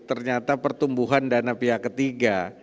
ternyata pertumbuhan dana pihak ketiga